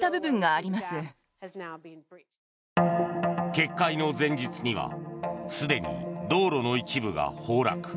決壊の前日にはすでに道路の一部が崩落。